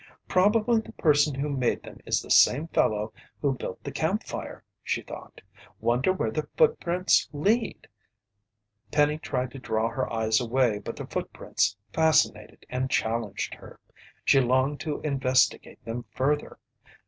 "Probably the person who made them is the same fellow who built the campfire," she thought. "Wonder where the footprints lead?" Penny tried to draw her eyes away, but the footprints fascinated and challenged her. She longed to investigate them further.